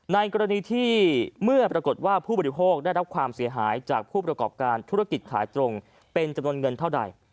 ในกรณีที่เมื่อปรากฏว่าผู้บริโภคได้รับความเสียหายจากผู้ประกอบการธุรกิจขายตรงเป็นจำนวนเงินเท่าใด